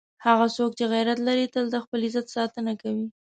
هغه څوک چې غیرت لري، تل د خپل عزت ساتنه کوي.